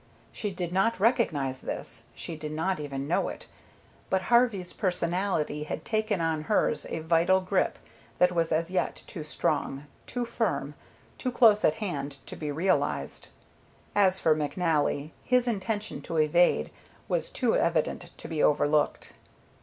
She did not recognize this, she did not even know it, but Harvey's personality had taken on hers a vital grip that was as yet too strong, too firm, too close at hand to be realized. As for McNally, his intention to evade was too evident to be overlooked.